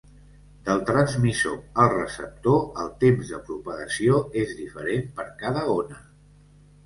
Del transmissor al receptor, el temps de propagació és diferent per cada ona.